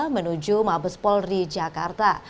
menuju mabespol di jakarta